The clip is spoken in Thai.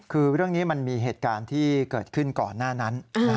คือเรื่องนี้มันมีเหตุการณ์ที่เกิดขึ้นก่อนหน้านั้น